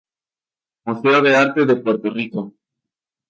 Museo de Arte de Puerto Rico